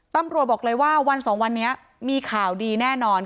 ตำรวจบอกเลยว่าวันสองวันนี้มีข่าวดีแน่นอน